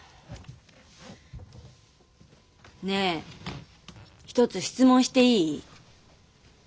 ねえ１つ質問していい？